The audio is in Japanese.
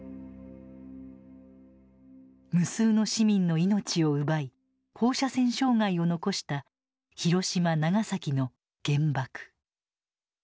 無数の市民の命を奪い放射線障害を残した広島長崎の「原爆」。